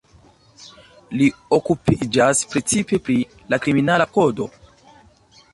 Li okupiĝas precipe pri la kriminala kodo.